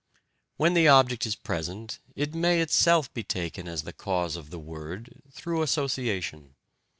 When the object is present, it may itself be taken as the cause of the word, through association.